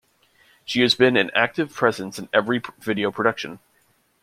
She has been an active presence in every video production.